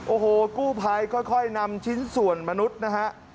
โอ้โหกู้ภัยค่อยนำชิ้นส่วนมนุษย์นะฮะ